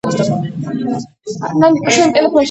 დარიენის პროვინციის ტერიტორიის გაყოფის შედეგად.